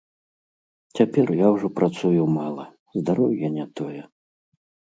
Цяпер я ўжо працую мала, здароўе не тое.